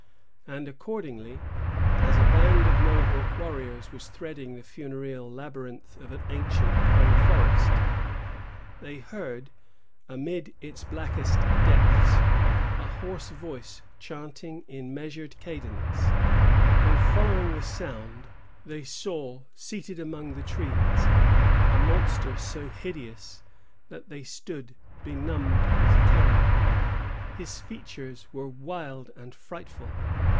And accordingly, as a band of Mohawk warriors was threading the funereal labyrinth of an ancient pine forest, they heard, amid its blackest depths, a hoarse voice chanting in measured cadence; and, following the sound, they saw, seated among the trees, a monster so hideous, that they stood benumbed with terror. His features were wild and frightful.